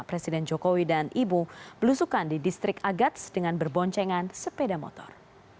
presiden jokowi dan ibu belusukan di distrik agats dengan berboncengan sepeda motor